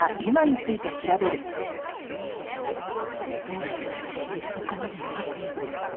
どうして私にそこまでの悪意を。